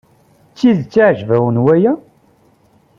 D tidet iɛjeb-awen waya?